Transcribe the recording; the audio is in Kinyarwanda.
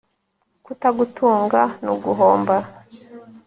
kutagutunga ni uguhomba